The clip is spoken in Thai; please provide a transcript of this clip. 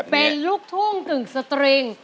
เป็นลูกทุ่งกึ่งสตริง